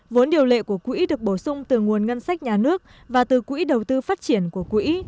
vốn điều lệ của quỹ được bổ sung từ nguồn ngân sách nhà nước và từ quỹ đầu tư phát triển của quỹ